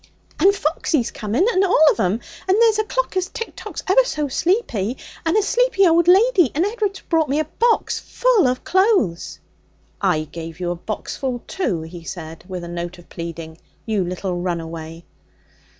'And Foxy's coming, and all of 'em. And there's a clock as tick tacks ever so sleepy, and a sleepy old lady, and Ed'ard's bought me a box full of clothes.' 'I gave you a box full too,' he said with a note of pleading. 'You little runaway!'